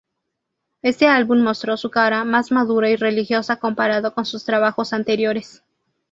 Este álbum mostró su cara más madura y religiosa comparado con sus trabajos anteriores.